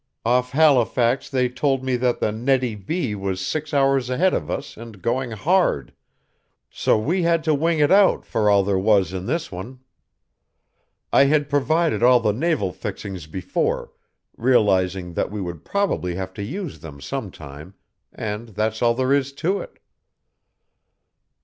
Off Halifax they told me that the Nettie B. was six hours ahead of us and going hard, so we had to wing it out for all there was in this one. I had provided all the naval fixings before, realizing that we would probably have to use them some time, and that's all there is to it."